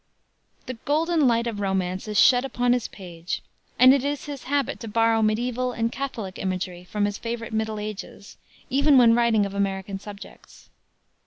The golden light of romance is shed upon his page, and it is his habit to borrow mediaeval and Catholic imagery from his favorite middle ages, even when writing of American subjects.